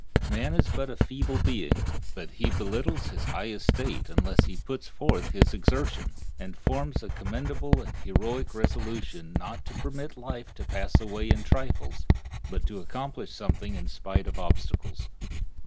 Man is but a feeble being, but he belittles his high estate unless he puts forth his exertion, and forms a commendable and heroic resolution not to permit life to pass away in trifles, but to accomplish something in spite of obstacles.